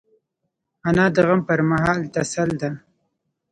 انا د غم پر مهال تسل ده